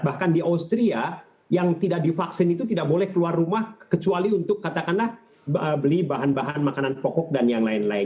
bahkan di austria yang tidak divaksin itu tidak boleh keluar rumah kecuali untuk katakanlah beli bahan bahan makanan pokok dan yang lain lain